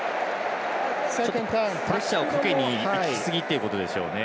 プレッシャーをかけにいきすぎってところでしょうね。